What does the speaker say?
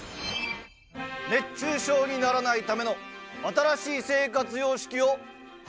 熱中症にならないための新しい生活様式を発表します。